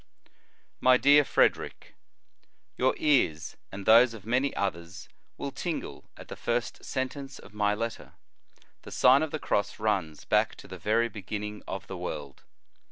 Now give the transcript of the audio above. MY DEAR FREDERIC: Your ears and those of many others will tingle at the first sentence of my letter the Sign of the Cross runs back to the very beginning of the world.